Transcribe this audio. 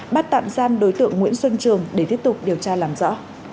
bắt tạm giam đối tượng nguyễn xuân trường để tiếp tục điều tra làm rõ